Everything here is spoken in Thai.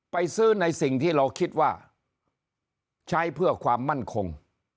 ไปซื้อในสิ่งที่เราคิดว่าใช้เพื่อความมั่นคง